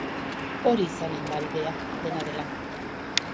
Hori izanen da bidea, dena dela.